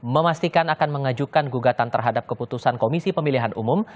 memastikan akan mengajukan gugatan terhadap keputusan komisi pemilihan umum